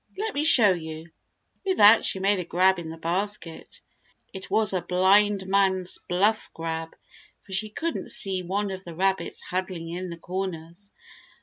Let me show you." With that she made a grab in the basket. It was a blind man's bluff grab, for she couldn't see one of the rabbits huddling in the corners.